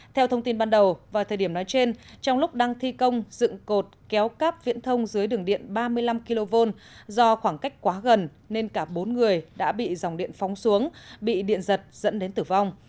theo thông tin ban đầu vào thời điểm nói trên trong lúc đang thi công dựng cột kéo cáp viễn thông dưới đường điện ba mươi năm kv do khoảng cách quá gần nên cả bốn người đã bị dòng điện phóng xuống bị điện giật dẫn đến tử vong